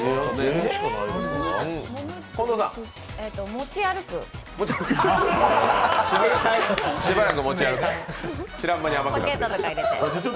持ち歩く。